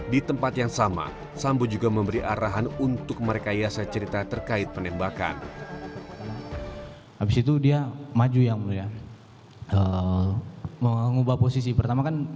di tempat yang sama sambo juga memberi arahan untuk merekayasa cerita terkait penembakan